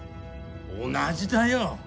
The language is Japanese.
同じだよ